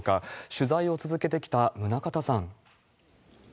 取材を続けてきた宗像さん。